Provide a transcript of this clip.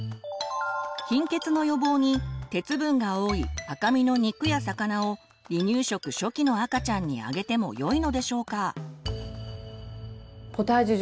貧血の予防に鉄分が多い赤身の肉や魚を離乳食初期の赤ちゃんにあげてもよいのでしょうか？